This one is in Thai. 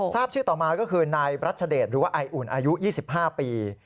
ทราบชื่อต่อมาก็คือนายรัชเดชหรือว่าไออุ่นอายุ๒๕ปี